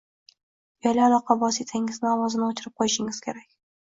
Uyali aloqa vositangizni ovozini o‘chirib qo‘yishingiz kerak.